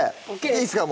いいすか？